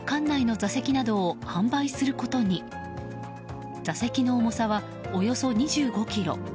座席の重さはおよそ２５ｋｇ。